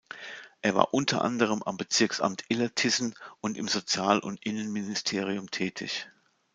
Er war unter anderem am Bezirksamt Illertissen und im Sozial- und Innenministerium tätig.